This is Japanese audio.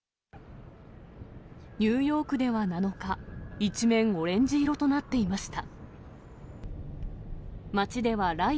ニューヨークでは７日、一面オレンジ色となっていました。